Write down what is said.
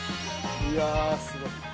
いやぁすごい。